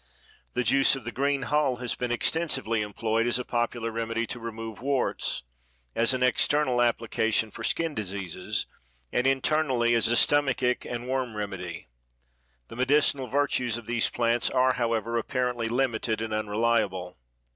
The juice of the green hull has been extensively employed as a popular remedy to remove warts, as an external application for skin diseases, and internally as a stomachic and worm remedy. The medicinal virtues of these plants are, however, apparently limited and unreliable.